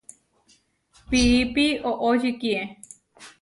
Piípi oʼočikíe.